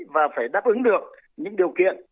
và phải đáp ứng được những điều kiện